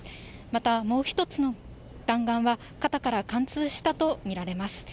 また、もう１つの弾丸は、肩から貫通したと見られます。